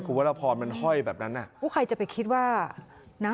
กลัวว่าเราพอมันห้อยแบบนั้นอ่ะพวกใครจะไปคิดว่านะ